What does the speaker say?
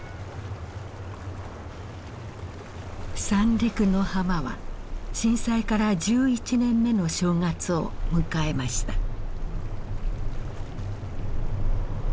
三陸の浜は震災から１１年目の正月を迎えました。